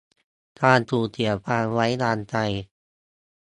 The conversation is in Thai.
การสูญเสียความไว้วางใจ